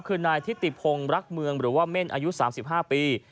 คือนายทิติพงศ์รักเมืองหรือว่าเม่นอายุ๓๕ปี